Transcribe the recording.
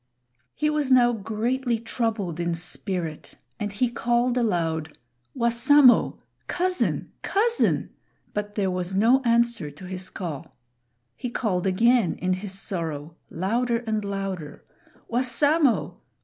He was now greatly troubled in spirit, and he called aloud, "Wassamo! cousin! cousin!" but there was no answer to his call. He called again in his sorrow, louder and louder, "Wassamo!